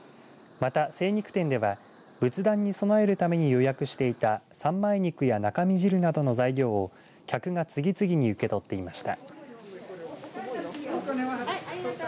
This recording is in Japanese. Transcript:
また精肉店では仏壇に備えるために予約していた三枚肉や中身汁などの材料を客が次々に受け取っていました。